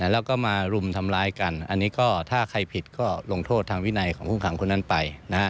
แล้วก็มารุมทำร้ายกันอันนี้ก็ถ้าใครผิดก็ลงโทษทางวินัยของผู้ขังคนนั้นไป